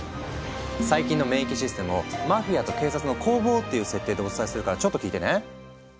細菌の免疫システムをマフィアと警察の攻防っていう設定でお伝えするからちょっと聞いてね。